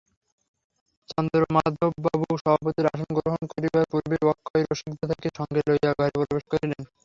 চন্দ্রমাধববাবু সভাপতির আসন গ্রহণ করিবার পূর্বেই অক্ষয় রসিকদাদাকে সঙ্গে লইয়া ঘরে প্রবেশ করিলেন।